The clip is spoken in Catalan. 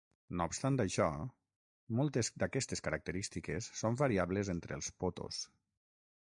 No obstant això, moltes d'aquestes característiques són variables entre els potos.